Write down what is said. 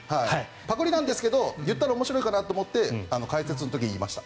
パクリなんですけど言ったら面白いかなと思って解説の時に言いました。